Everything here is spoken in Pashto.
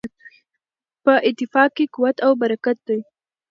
په اتفاق کې قوت او برکت دی.